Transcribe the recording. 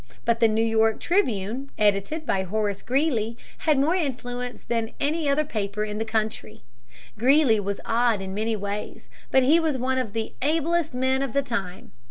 But the New York Tribune, edited by Horace Greeley, had more influence than any other paper in the country. Greeley was odd in many ways, but he was one of the ablest men of the time.